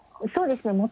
そうですよね。